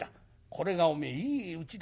これがおめえいいうちだ。